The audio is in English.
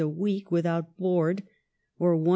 a week, without board, or Is.